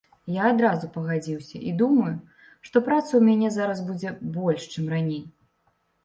Я адразу пагадзіўся і думаю, што працы ў мяне зараз будзе больш, чым раней.